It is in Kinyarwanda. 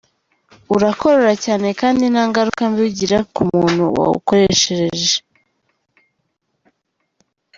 Urakora cyane kandi nta ngaruka mbi ugira ku muntu wawukoreresheje.